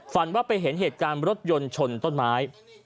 ฝันว่าไปเห็นเหตุการณ์รถยนต์ชนต้นไม้